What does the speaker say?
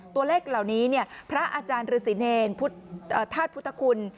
ตัวเลขเหล่านี้พระอาจารย์ฤษีเนรธาตุพุทธคุณ